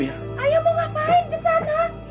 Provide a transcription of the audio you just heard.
ayah mau ngapain di sana